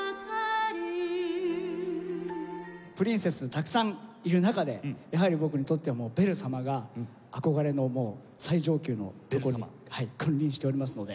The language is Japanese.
たくさんいる中でやはり僕にとってはベル様が憧れの最上級のところに君臨しておりますので。